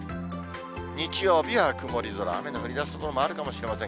日曜日は曇り空、雨の降りだす所もあるかもしれません。